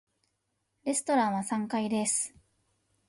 レストランは三階です。